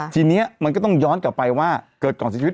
เกิดก่อนเสียชีวิต